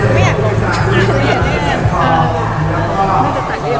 ไม่อยากลงอาทิตย์